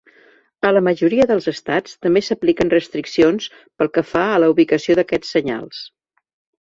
A la majoria dels estats també s'apliquen restriccions pel que fa a la ubicació d'aquests senyals.